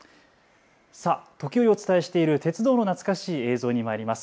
時折お伝えしている鉄道の懐かしい映像にまいります。